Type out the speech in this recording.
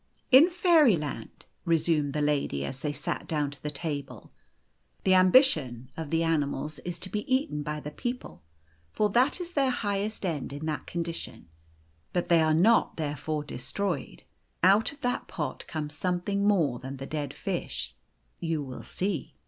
" In Fairyland," resumed the lady, as they sat down to the table, " the ambition of the animals is to be eaten by the people ; for that is their highest end in i S6 The Golden Key that condition. But they are not therefore destroyed. Out of that pot comes something more than the dead fish, you will see."